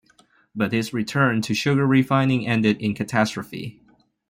But his return to sugar-refining ended in catastrophe.